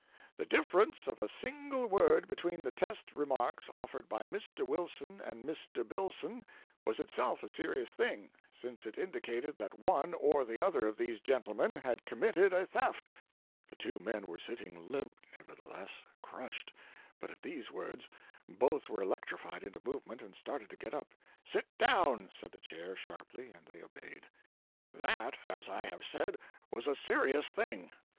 The difference of a single word between the test remarks offered by Mr. Wilson and Mr. Billson was itself a serious thing, since it indicated that one or the other of these gentlemen had committed a theft " The two men were sitting limp, nerveless, crushed; but at these words both were electrified into movement, and started to get up. "Sit down!" said the Chair, sharply, and they obeyed. "That, as I have said, was a serious thing.